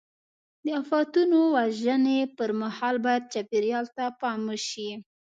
د آفتونو وژنې پر مهال باید چاپېریال ته پام وشي.